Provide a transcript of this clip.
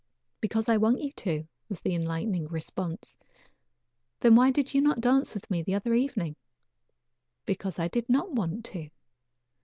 "Because I want you to," was the enlightening response. "Then why did you not dance with me the other evening?" "Because I did not want to."